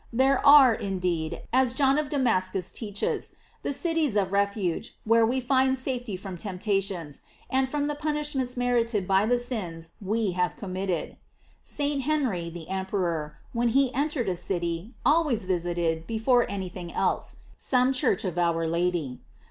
There are, in deed, as John of Damascus teaches, the cities of refuge, where we find safety from temptations, and from the punishments merited by the sins we have committed. St. Henry, Emperor, when he entered a city, always visited, before any thing else, some church of our Lady.